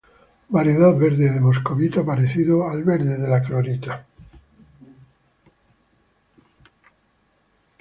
Variedad verde de moscovita, parecido al verde de la clorita.